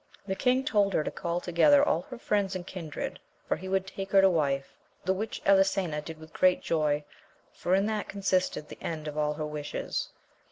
The king told her to call toge ther all her Mends and kindred, for he would take her to wife, the which Elisena did with great joy, for in that consisted the end of all her wishes.